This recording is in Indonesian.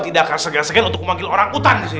tidak akan segar segar untuk memanggil orang hutan disini